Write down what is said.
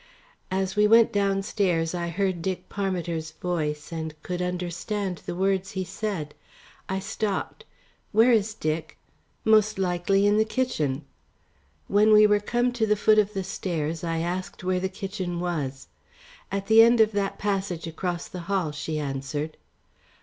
As we went downstairs I heard Dick Parmiter's voice and could understand the words he said. I stopped. "Where is Dick?" "Most likely in the kitchen." When we were come to the foot of the stairs I asked where the kitchen was? "At the end of that passage across the hall," she answered.